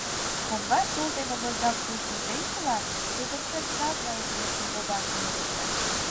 Коҥга тул ден возак тул кузе йӱлат, тудын чонжат мыйын верчын тугак йӱлыжӧ!